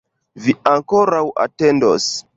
Vi ankoraŭ atendos!